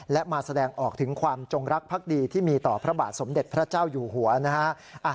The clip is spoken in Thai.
และมาแสดงออกถึงความจงรักภักดีที่มีต่อพระบาทสมเด็จพระเจ้าอยู่หัวนะฮะ